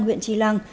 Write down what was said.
huyện tri lăng